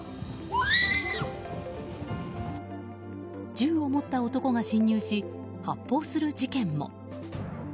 銃を持った男が侵入し発砲する事件も。